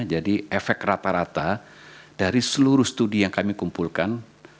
jadi efek rata rata dari seluruh studi yang kami kumpulkan